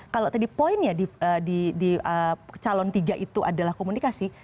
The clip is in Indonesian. kalau tadi poinnya di calon tiga itu adalah komunikasi